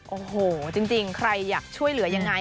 โอ้โหจริงใครอยากช่วยเหลือยังไง